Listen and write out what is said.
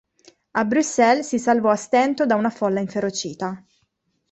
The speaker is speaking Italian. A Bruxelles si salvò a stento da una folla inferocita.